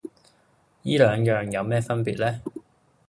依兩樣有咩分別呢？